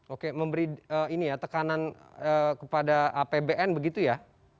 oke memberi ini ya tekanan kepada apbn begitu ya